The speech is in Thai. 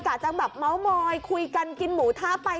จะแบบเมาส์มอยคุยกันกินหมูทะไป